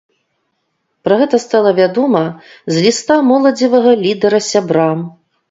Пра гэта стала вядома з ліста моладзевага лідэра сябрам.